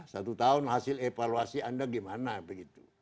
satu tahun hasil evaluasi anda gimana begitu